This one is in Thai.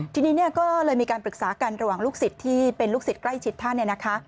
ทีนี้ก็เลยมีการปรึกษากันระหว่างลูกศิษย์ที่เป็นลูกศิษย์ใกล้ชิดท่าน